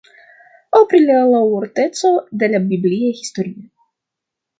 Aŭ pri la laŭvorteco de la bibliaj historioj.